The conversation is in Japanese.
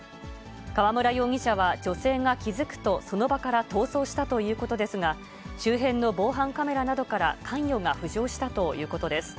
河村容疑者は女性が気付くとその場から逃走したということですが、周辺の防犯カメラなどから関与が浮上したということです。